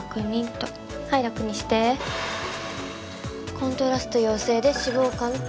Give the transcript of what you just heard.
コントラスト陽性で脂肪肝と。